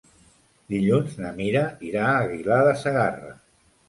Dilluns na Mira irà a Aguilar de Segarra.